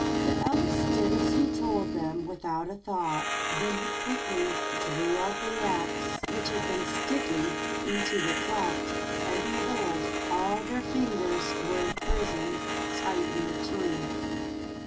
The elves did as he told them without a thought; then he quickly drew out the axe, which had been sticking into the cleft, and behold! all their fingers were imprisoned tight in the tree.